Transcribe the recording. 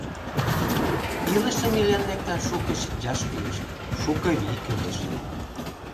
Илышым илен лекташ шуко шинчаш кӱлеш, шуко вий кӱлеш.